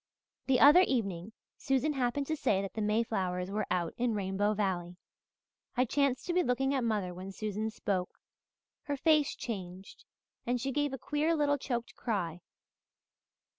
"The other evening Susan happened to say that the mayflowers were out in Rainbow Valley. I chanced to be looking at mother when Susan spoke. Her face changed and she gave a queer little choked cry.